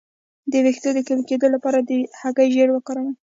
د ویښتو د قوي کیدو لپاره د هګۍ ژیړ وکاروئ